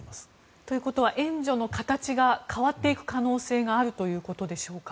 ということは援助の形が変わっていく可能性があるということでしょうか。